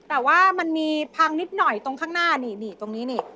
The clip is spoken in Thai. แต่ว่ามันมีพังนิดหน่อยตรงข้างหน้านี่นี่ตรงนี้นี่